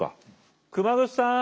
熊楠さん。